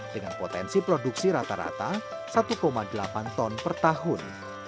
dengan potensi produksi rata rata satu delapan ton per tahun